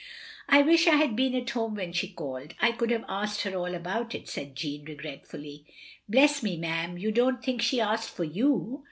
" "I wish I had been at home when she called; I could have asked her all about it, " said Jeanne, regretfully. " Bless me, ma'am, you don't think she asked for you!"